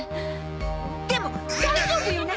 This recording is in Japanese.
でも大丈夫よね！